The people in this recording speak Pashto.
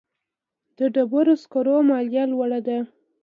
د ډبرو سکرو مالیه لوړه ده